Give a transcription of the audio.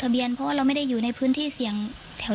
เบียนเพราะว่าเราไม่ได้อยู่ในพื้นที่เสี่ยงแถว